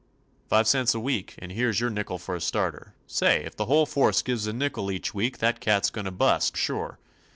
"Five cents a week, and here 's your nickel for a starter. Say, if the whole force gives a nickel each week that cat 's goin' to bust, sure.